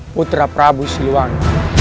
putra prabu siluang